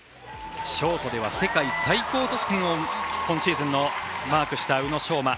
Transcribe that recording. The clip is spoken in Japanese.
ショートでは世界最高得点を今シーズンマークした宇野昌磨。